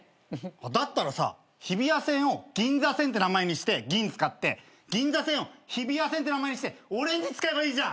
だったらさ日比谷線を銀座線って名前にして銀使って銀座線を日比谷線って名前にしてオレンジ使えばいいじゃん。